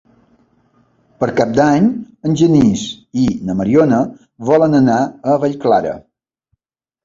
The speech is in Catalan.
Per Cap d'Any en Genís i na Mariona volen anar a Vallclara.